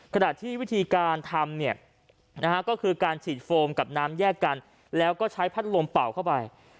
ขณะที่วิธีการทำเนี่ยนะฮะก็คือการฉีดโฟมกับน้ำแยกกันแล้วก็ใช้พัดลมเป่าเข้าไป